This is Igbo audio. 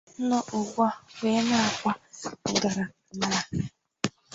nọ ugbua wee na-akwa ngarammara